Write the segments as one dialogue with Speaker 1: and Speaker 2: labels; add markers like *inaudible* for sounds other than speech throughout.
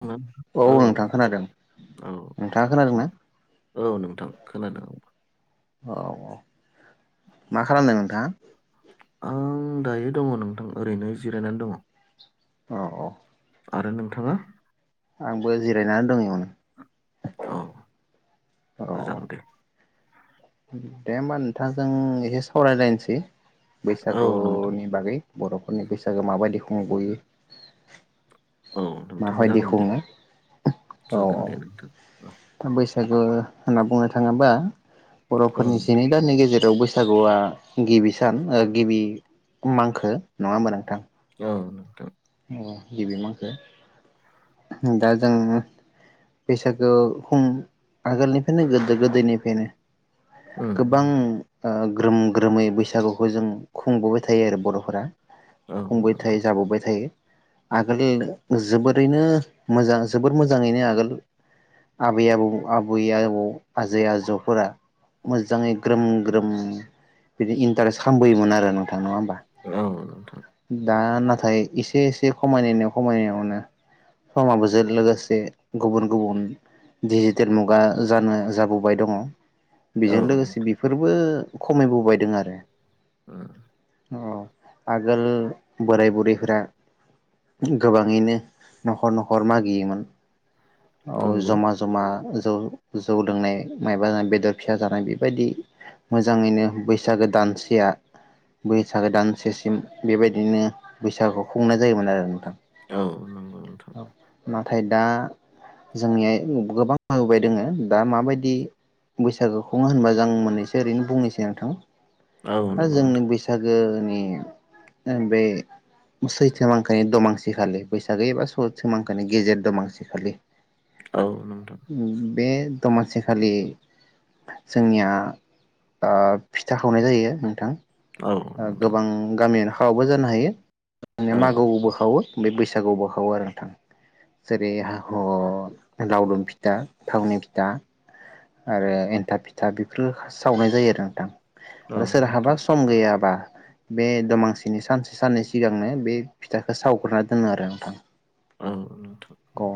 Speaker 1: औ
Speaker 2: औ
Speaker 1: नोंथां
Speaker 2: खोनादों
Speaker 1: औ
Speaker 2: नोंथाङा
Speaker 1: नोंथां।
Speaker 2: खोनादोंना
Speaker 1: औ नोंथां खोनादों।
Speaker 2: औ औ मा खालामदों नोंथाङा?
Speaker 1: आं दायो दङ नोंथां ओरैनो जिरायनानै दङ।
Speaker 2: औ औ
Speaker 1: आरो नोंथाङा?
Speaker 2: आंबो जिरायनानै दं इयावनो।
Speaker 1: औ
Speaker 2: औ
Speaker 1: मोजां दे।
Speaker 2: दे होमबा नोंथां जों एसे सावरायलायनोसै।
Speaker 1: औ नोंथां
Speaker 2: बैसागुनि बागै। बर'फोरनि बैसागो माबायदि खुंबोयो
Speaker 1: औ नोंथां
Speaker 2: माबायदि
Speaker 1: जागोन दे
Speaker 2: खुंङो‌ औ
Speaker 1: जागोन दे नोंथां
Speaker 2: औ बैस गो होनना बुंनो थाङोबा
Speaker 1: औ
Speaker 2: बर'फोरनि
Speaker 1: नोंथां
Speaker 2: जिनै दाननि गेजेराव बोस सागुआ गिबि सान गिबि मांखो नङा होमबा नोंथां?
Speaker 1: औ नोंथां।
Speaker 2: उम गिबि मांखो दा जों बैसागोआ खम आगोलनिफायनो गोदो गोदायनिफायनो
Speaker 1: उम
Speaker 2: गोबां
Speaker 1: नोंथां
Speaker 2: ओ ग्रोम ग्रोमै बैसागुखौ जों, खुंबोबाय थायो आरो बर'फोरा।
Speaker 1: औ
Speaker 2: हमबाय थायो
Speaker 1: नंगौ
Speaker 2: जाबोबबाय थायो। आगोलनि जोबोरैनो मोजां जोबोर मोजाङैनो, आगोल आबै आबौ आबै आबौ आजै आजौफोरा मोजाङै ग्रोम ग्रोम बिदि इन्टारेस्ट खालामबोयोमोन आरो, नोंथां नङा होमबा?
Speaker 1: औ नोंथां।
Speaker 2: दा नाथाय। एसे एसे खमायनाय खमायनायावनो समाबोजों लोगोसे गुबुन गुबुन डिजिटेल मुगा जानो जाबोबाय दङ।
Speaker 1: औ
Speaker 2: बेजों
Speaker 1: नोंथां
Speaker 2: लोगोसे बेफोरबो। खमायबोबायदों आरो।
Speaker 1: ओम।
Speaker 2: अ आगोल बोराय बुरैफोरा। गोबाङैनो न'खर न'खर मागियोमोन। औ
Speaker 1: नंगौ
Speaker 2: जमा जमा‌। जौ जौ लोंनाय माबा जानाय बेदर फिसा जानाय, बेबायदि मोजाङैनो बैसागो दानसेया बैसागो दानसेसिम बेबायदिनो बैसागु खुंनाय जायोमोन आरो नोंथां।
Speaker 1: औ नंगौ नोंथां।
Speaker 2: थाय दा जोंनिया गोबां होबाय दङो दा माबायदि बैसागो खङो होनबा जोंं मोननैसो ओरैनो बुंनोसै नोंथां।
Speaker 1: औ
Speaker 2: दा
Speaker 1: नंगौ
Speaker 2: जोंनि
Speaker 1: नोंथां
Speaker 2: बैसागो नि ओ बे सैथो मांखानि दमांसिखालि, बैसागो एबा सैथ मांखानि गेजेर दमांसि खालि
Speaker 1: औ नोंथां।
Speaker 2: बे दमासिखालि जोंनिया फिथा ओ खावनाय जायो नोंथां।
Speaker 1: औ
Speaker 2: ओ
Speaker 1: नोंथां
Speaker 2: गोबां गामियानो। आवबो जानो हायो। जोंनिया
Speaker 1: औ औ
Speaker 2: मागोबो खावो बे बैसागु गोआवबो खावो आरो नोंथां। जेरै हा ह लावदुम फिथा थावनि फिथा आरो एन्थाब फिथा बेफोर सावनाय जायो आरो नोंथां।
Speaker 1: औ
Speaker 2: आरो सोरहाबा
Speaker 1: नोंथां
Speaker 2: सम गैयाबा। बे दमांसिनि सानसे साननैसो सिगांनो बे फिथाखौ सावग्रोनना दोनो आरो नोंथां।
Speaker 1: ओम नोंथां ओम।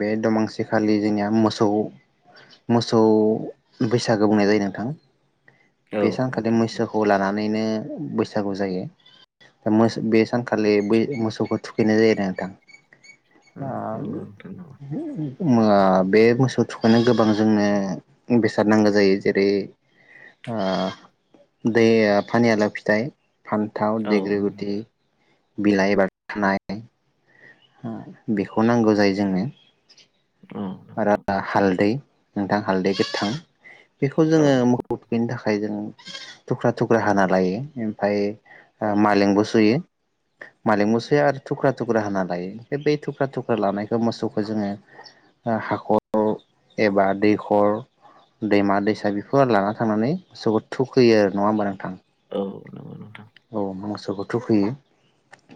Speaker 2: बे दमांसेखालि जोंनिया मोसौ मोसौ बैसागो बुंनाय जायो नोंथां।
Speaker 1: औ
Speaker 2: बे सानखालि
Speaker 1: नोंथां
Speaker 2: मैसोखौ लानानै थानैनो बैसागु जायो। दा मोस बे सानखालि बै मोसौखौ थुखैनाय जायो नोंथां।
Speaker 1: उम,
Speaker 2: आ
Speaker 1: नंगौ नोंथां
Speaker 2: *unintelligible* ओ बे मोसौ थुखायनो गोबां जोंनो बेसाद नांगौ जायो, जेरै ओ दै फानियाला फिथाइ फान्थाव
Speaker 1: औ
Speaker 2: देग्रो गुथिनि बिलाइ *unintelligible* ओम बेखौ नांगौ जायो जोंनो आरो
Speaker 1: नोंथां
Speaker 2: हालदै नोंथां हालदै गोथां। बेखौ
Speaker 1: औ
Speaker 2: जोङो मोखौ थुखैनो थाखाय। ओमफ्राय जों थुख्रा थुख्रा हाना लायो ओमफ्राय मालेंबो सुयो मालेंबो सुयो आरो थुख्रा थुख्रा हाना ल लायो ओमफ्राय बै थुख्रा थुख्रा लानायखौ मोसौखौ जोङो हाखर एबा दैखर दैमा दैसा बेफोर लाना थांनानै मोसौखौ थुखैयो आरो नङा होमबा नोंथां।
Speaker 1: औ नंगौ नंगौ।
Speaker 2: औ मोसौखौ थुखैयो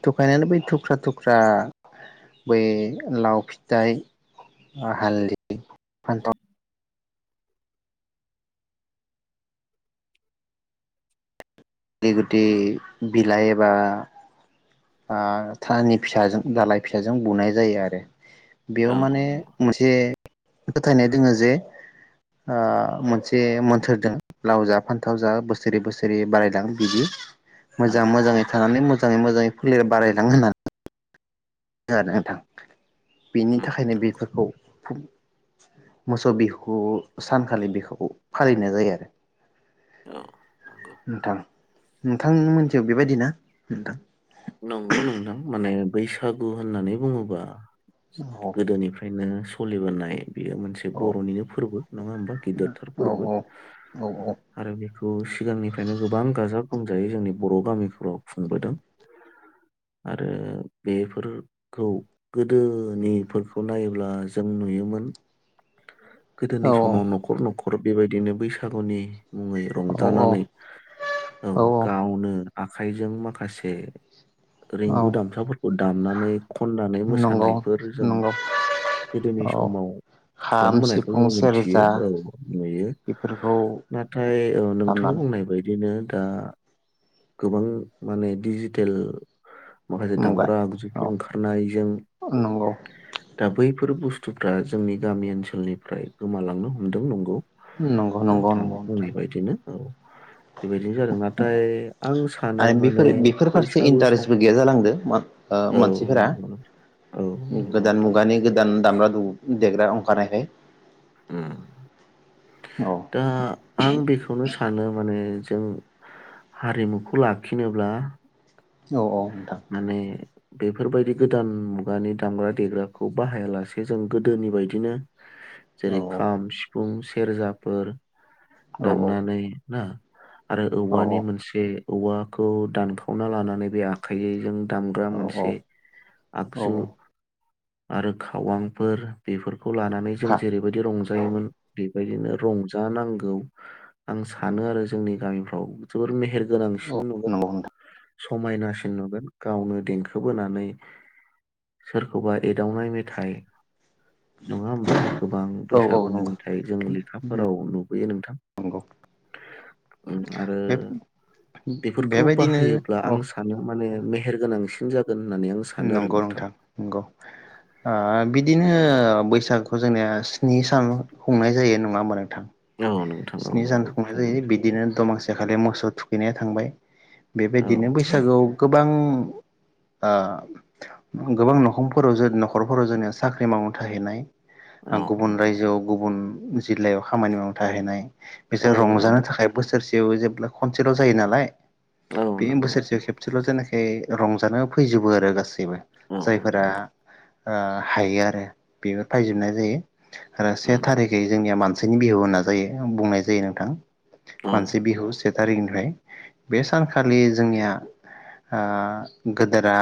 Speaker 2: थुखायनानै बै थुख्रा थुख्रा बै लाव फिथाइ ओ हालदि फान्थाव गुथि गुथि बिलाय एबा ओ थानि फिसाजों दालाइ फिसाजों बुनाय जायो आरो। बेयाव
Speaker 1: औ
Speaker 2: माने
Speaker 1: नंगौ
Speaker 2: मोनसे फोथायनाय दोङो जे ओ मोनसे मोन्थोर दं लाव जा फान्थाव जा बोसोरै बोसोरै बारायलां बिदि
Speaker 1: औ
Speaker 2: मोजां मोजाङै
Speaker 1: नंगौ
Speaker 2: थानानै मोजाङै मोजाङै फुलिर बारायलां होनना ओ नोंथां बिनि
Speaker 1: उम
Speaker 2: थाखायनो
Speaker 1: नंगौ
Speaker 2: बेफोरखौ मोसौ बिहुखौ सानखालि बिहुखौ फालिनाय जायो आरो
Speaker 1: औ नंगौ
Speaker 2: नोंथां नोंथां मोनथि बेबायदि ना नोंथां?
Speaker 1: नंगौ नोंथां माने बैसागु होननानै बुङोबा
Speaker 2: औ
Speaker 1: गोदोनिफ्रायनो स सोलिबोनाय बेयो मोनसे
Speaker 2: औ
Speaker 1: बर'निनो फोरबो नङा होमबा गिदिरथार
Speaker 2: औ
Speaker 1: फोरबो
Speaker 2: औ औ
Speaker 1: आरो बेखौ सिगांनिफ्रायनो गोबां गाजा गोमजायै जोंनि बर' गामिफोराव खुंबोदों। आरो बेफोरखौ गोदोनिफोरखौ नायोब्ला जों नुयोमोन गोदोनि
Speaker 2: औ
Speaker 1: समाव न'खर न'ख खर बेबायदिनो बैसागुनि मुङै
Speaker 2: औ औ
Speaker 1: रंजानानै औ गावनो आखाइजों माखासे ए।
Speaker 2: औ
Speaker 1: रिंगु दामसाफोरखौ दामनानै खननानै
Speaker 2: नंगौ
Speaker 1: मोसानायफोर जों
Speaker 2: नंगौ
Speaker 1: गोदोनि
Speaker 2: औ
Speaker 1: समाव
Speaker 2: खाम
Speaker 1: खालामबोनायखौ
Speaker 2: सिफुं
Speaker 1: जों मिथियो
Speaker 2: सेरजा
Speaker 1: औ नुयो
Speaker 2: बेफोरखौ
Speaker 1: नाथाय औ नोंथां
Speaker 2: दामनानै
Speaker 1: बुंनाय बायदिनो दा गोबां माने डिजिटेल माखासे
Speaker 2: मुगा
Speaker 1: दामग्रा आगजुफोर
Speaker 2: औ
Speaker 1: ओंखारनायजों
Speaker 2: नंगौ
Speaker 1: दा बै बेफोर बुस्थुफ्रा जोंनि गामि ओनसोलनिफ्राय गोमालांनो हमदों नंगौ।
Speaker 2: नंगौ नंगौ
Speaker 1: नोंथां
Speaker 2: नंगौ
Speaker 1: बुंनायबायदिनो औ। बेबायदिनो जादों नाथाय आं सानो
Speaker 2: आरो
Speaker 1: माने
Speaker 2: बेफोर बेफोर फारसे
Speaker 1: बैसागु सम
Speaker 2: इन्टारेस्टबो गैया जालांदों मा ओ
Speaker 1: औ
Speaker 2: मानसिफोरा
Speaker 1: नंगौ नोंथां औ नंगौ
Speaker 2: गोदान
Speaker 1: नोंथां
Speaker 2: मुगानि गोदान दामग्रा दु देग्रा अखारनायखाय
Speaker 1: उम
Speaker 2: औ
Speaker 1: दा आं बेखौनो सानो माने जों हारिमुखौ लाखिनोब्ला
Speaker 2: औ औ नोंथां
Speaker 1: माने बेफोरबायदि गोदान मुगानि दामग्रा देग्राखौ बाहायालासे जों गोदोनि बायदिनो
Speaker 2: औ
Speaker 1: जेरै खाम सिफुं से सेरजाफोर
Speaker 2: औ औ
Speaker 1: दामना नै ना आरो
Speaker 2: औ
Speaker 1: औवानि मोनसे औवाखौ दानखावना लानानै बे आ खायनि जों दामग्रा
Speaker 2: औ औ
Speaker 1: मोनसे
Speaker 2: औ
Speaker 1: आगजु आरो खावांफोर बेफोर खौ लानानै जों
Speaker 2: खा
Speaker 1: जेरैबायदि रंजायोमोन बे बायदिनो रंजा नांगौ आं सानो आरो जोंनि गामिफ्राव जोबोर मेहेर गोनांसिन
Speaker 2: औ
Speaker 1: नुगोन।
Speaker 2: नंगौ
Speaker 1: समायनासिन नुगोन गावनो देंखो बोनानै सोरखौबा एदावनाय मेथाइ नङा होमबा? गोबां
Speaker 2: नोंथां औ औ
Speaker 1: बैसागुनि
Speaker 2: नंगौ
Speaker 1: मेथाइ जों लेखाफोराव नुबोयो नोंथां।
Speaker 2: नंगौ
Speaker 1: उम आरो
Speaker 2: बे
Speaker 1: बेफोरखौ
Speaker 2: बेबायदिनो
Speaker 1: बाहायोब्ला
Speaker 2: औ
Speaker 1: आं सानो माने मेहेर गो नांसिन जा
Speaker 2: नंगौ नोंथां नंगौ। आ बिदिनो बैसा गु जोंनिया स्नि सान खुंनाय जायो नङा होमबा नोंथां?
Speaker 1: औ नोंथां औ
Speaker 2: स्नि सान
Speaker 1: नंगौ
Speaker 2: खुंनाय
Speaker 1: खुङो
Speaker 2: जायो। बिदिनो दमासे खालि मोसौ थु खैनाया थांबाय,
Speaker 1: औ
Speaker 2: बेबायदिनो बैसागुआव गोबां आ गोबां नखंफोराव जो न'खरफोराव जोङनिया साख्रि मावनो थाहैनाय
Speaker 1: औ
Speaker 2: गुबुन
Speaker 1: नंगौ
Speaker 2: रायजोआव गुबुन जिल्लायाव खामानि मावनो थाहैनाय बिसोर
Speaker 1: औ
Speaker 2: रंजानो
Speaker 1: नंगौ
Speaker 2: थाखाय बोसोरसे आव जेब्ला खनसेल' जायो नालाय
Speaker 1: औ
Speaker 2: बे
Speaker 1: नंगौ
Speaker 2: बोसोरसेयाव खेबसेल' जानाय खाय रंजानो फैजोबो आरो गासै बो
Speaker 1: औ
Speaker 2: जायफोरा
Speaker 1: नंगौ
Speaker 2: ओ हायो आरो बेबो फायजोबनाय जायो। आरो से
Speaker 1: उम
Speaker 2: थारिखै जोंनिया मान सिनि बिहु होनना जायो बुंनाय जायो नोंथां।
Speaker 1: औ
Speaker 2: मानसि बिहु से तारिकनिफ्राय। बे सानखालि जोंनिया ओ गोदोरा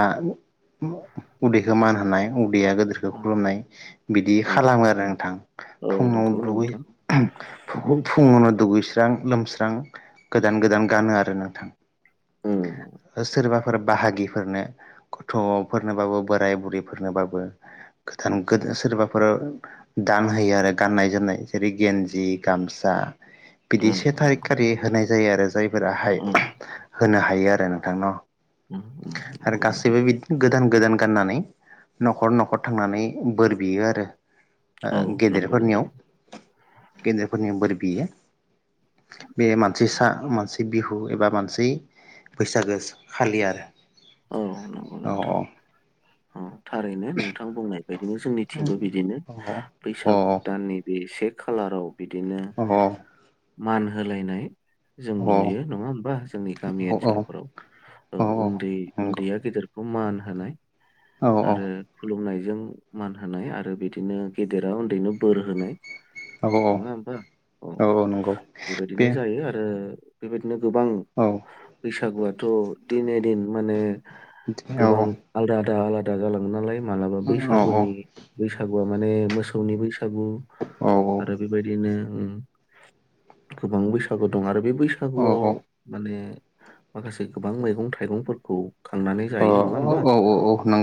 Speaker 2: उदैखौ मान होनाय उ दैया गोदोरखौ
Speaker 1: उम
Speaker 2: खुलुमनाय बिदि
Speaker 1: औ
Speaker 2: खालामो आरो नोंथां
Speaker 1: औ
Speaker 2: फुङाव
Speaker 1: नंगौ
Speaker 2: दुगै
Speaker 1: नोंथां
Speaker 2: फुङावनो दुगैस्रां लोमस्रां गोदान गोदान गानो आरो नोंथां।
Speaker 1: उम
Speaker 2: सोरबाफोर बाहागिफोरनो गथ'फोरनोबाबो बोराय बुरैफोरनोबाबो गोदान गोदान सोरबाफोर दान होयो आरो गाननाय जोमनाय जेरै गेन्जि गामसा बिदि से
Speaker 1: उम नंगौ
Speaker 2: थारिखारि होनाय जायो आरो जायफोराहाय
Speaker 1: औ
Speaker 2: होनो हायो आरो नोंथांनाव
Speaker 1: उम उम
Speaker 2: आरो
Speaker 1: नंगौ नोंथां
Speaker 2: गासैबो बिदिनो गोदान गोदान गाननानै न'खर न'खर थांनानै बोर बियो आरो
Speaker 1: औ
Speaker 2: ओ
Speaker 1: नंगौ नोंथां
Speaker 2: गेदेरफोरनियाव ने बोर बियो बे मानसि सा मानसि बिहु एबा मानसै बैसागो खालि आरो
Speaker 1: औ नंगौ
Speaker 2: औ अ
Speaker 1: नोंथां औ थारैनो नोंथां बुंनाय बायदिनो जोंनिथिंबो बिदिनो
Speaker 2: अ
Speaker 1: बैसाग दाननि बे सेक खालाराव बिदिनो
Speaker 2: अ औ
Speaker 1: मान होलायनाय जों नुयो नङा होमबा जोंनि गामि
Speaker 2: औ औ
Speaker 1: ओनसोलफोराव औ उन्दै
Speaker 2: नंगौ
Speaker 1: उन्दैया गेदेर बेखौ मान होनाय
Speaker 2: औ नंगौ औ
Speaker 1: आरो खुलुमनाय जों मान होनाय आरो बिदिनो गेदेरा उन्दैनो बोर होनाय।
Speaker 2: औ
Speaker 1: नङा होमबा औ बेबायदिनो
Speaker 2: बे
Speaker 1: जायो आरो बेबायदि बिदिनो गोबां
Speaker 2: औ
Speaker 1: बैसागुआथ' दिने दिन नो
Speaker 2: औ
Speaker 1: गोबां आलदा आदा आलादा जालाङो नालाय मालाबा
Speaker 2: औ
Speaker 1: बैसागुनि बैसाग ब माने मोसौनि बैस बैसागु आरो बेबायदिनो उम गोबां बैसागु दं आरो बे
Speaker 2: औ
Speaker 1: बैसागुआव माने माखासे गोबां मैगं थाइगंफोर खौ खांनानै
Speaker 2: औ
Speaker 1: जायो नङा होमबा
Speaker 2: औ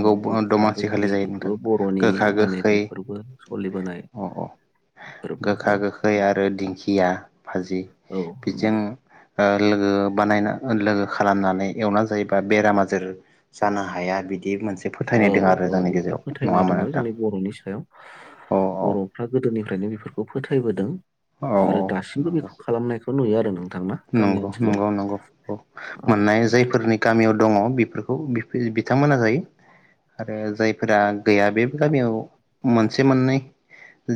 Speaker 1: औ गोखा
Speaker 2: दमासि खालि
Speaker 1: गोखै
Speaker 2: जायो नोंथां
Speaker 1: बर'नि
Speaker 2: गोखा
Speaker 1: माने
Speaker 2: गोखै
Speaker 1: बेफोरबो स'लिबोनाय
Speaker 2: अ अ
Speaker 1: फोरबो
Speaker 2: गोखा
Speaker 1: औ
Speaker 2: गोखै आरो दिंखिया भाजि
Speaker 1: औ
Speaker 2: बिजों
Speaker 1: नंगौ
Speaker 2: ओ लोगो बानायना लोगो खालामनानै एवना जायोबा बेराम आजोर जानो हाया बिद
Speaker 1: औ औ बेफोर
Speaker 2: नङा
Speaker 1: फोथायनाय
Speaker 2: होमबा
Speaker 1: दङ'
Speaker 2: नोंथां
Speaker 1: जोंनि बर'नि सायाव
Speaker 2: अ
Speaker 1: बर'फ्रा गोदोनि ओमफ्रायनो बेफोरखौ फोथायबोदों।
Speaker 2: औ औ
Speaker 1: आरो दासिमबो
Speaker 2: नंगौ
Speaker 1: बेखौ खालामनायखौ नुयो आरो नोंथां। ना गामि
Speaker 2: नंगौ
Speaker 1: ओनसोलाव
Speaker 2: नंगौ नंगौ औ
Speaker 1: औ
Speaker 2: मोननाय
Speaker 1: नोंथां
Speaker 2: जायफोरनि गामियाव दङ' बिफोर खौ बि बिथांमोना जायो आरो जायफोरा गैया बे गामियाव मोनसे मोननै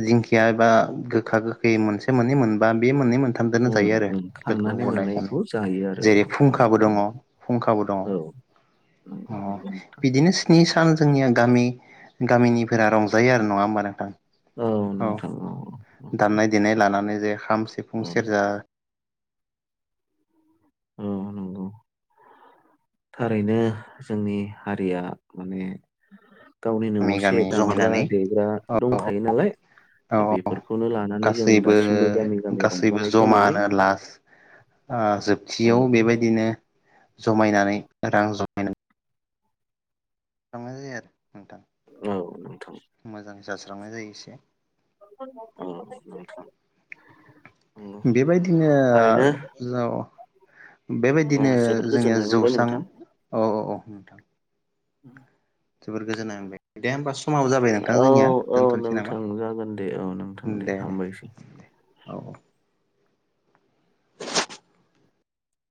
Speaker 2: जिंखिया एबा गोखा गोखै मोनसे मोननै मोनबा बे मोननै मोन थामदोनो
Speaker 1: उम
Speaker 2: जायो आरो।
Speaker 1: उम
Speaker 2: लोगो
Speaker 1: खांनानै
Speaker 2: हदाय माने
Speaker 1: मोननायखौ जायो आरो
Speaker 2: जेरै
Speaker 1: औ
Speaker 2: फुंखाबो
Speaker 1: नंगौ
Speaker 2: दङ'
Speaker 1: नंगौ
Speaker 2: फुंखाबो दङ'
Speaker 1: औ नंगौ
Speaker 2: अ
Speaker 1: नंगौ
Speaker 2: बिदिनो स्नि सान जोंनि गामि गामिनिफोरा रंजायो आरो नङा होमबा नोंथां? औ
Speaker 1: नोंथां नोंथां औ नंगौ
Speaker 2: दामनाय देनाय लानानै जे खाम सिफुं
Speaker 1: औ
Speaker 2: सेरजा
Speaker 1: औ नंगौ। थारैनो जोंनि हारिया माने गावनिनो
Speaker 2: गामि
Speaker 1: असे
Speaker 2: गामि
Speaker 1: दामग्रा
Speaker 2: जमायनानै
Speaker 1: देग्रा दंखायो नालाय
Speaker 2: औ
Speaker 1: दा बेफोरखौनो लानानै जों
Speaker 2: गासैबो
Speaker 1: दासिमबो गामि गामि
Speaker 2: गासैबो
Speaker 1: रंजानायखौ नुयो
Speaker 2: जमानो लास्ट ओ
Speaker 1: औ।
Speaker 2: जोबथियाव बेबायदिनो जमायनानै रां जमायना *unintelligible*
Speaker 1: औ नोंथां।
Speaker 2: मोजां जास्रांनाय जायो एसे।
Speaker 1: अ' नोंथां नोंगौ
Speaker 2: बेबायदिनो
Speaker 1: थारैनो ओ
Speaker 2: बेबायदिनो
Speaker 1: जोबोर
Speaker 2: जोंनिया
Speaker 1: गोजोननाय मोनबाय
Speaker 2: जौस्रां
Speaker 1: नोंथां।
Speaker 2: औ औ औ नोंथां।
Speaker 1: *inaudible*
Speaker 2: जोबोर गोजोन्नाय मोनबाय दे होमबास
Speaker 1: औ औ नोंथां जागोन दे औ नोंथां दे हामबायसै।
Speaker 2: औ औ